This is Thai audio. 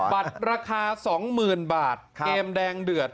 บัตรราคา๒๐๐๐บาทเกมแดงเดือด